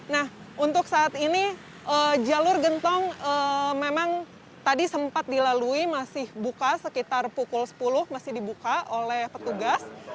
nah untuk saat ini jalur gentong memang tadi sempat dilalui masih buka sekitar pukul sepuluh masih dibuka oleh petugas